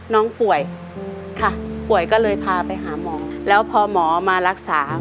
น้องป่วยค่ะป่วยก็เลยพาไปหาหมอแล้วพอหมอมารักษา